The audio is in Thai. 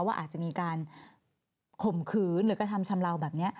ว่าอาจจะมีการข่มขืนหรือกระทำชำเลาแบบนี้